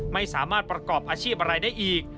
ไม่สามารถประกอบอาชีพอะไรได้อีก